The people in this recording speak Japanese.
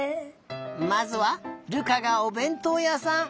まずは瑠珂がおべんとうやさん。